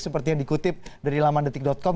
seperti yang dikutip dari lamandetik com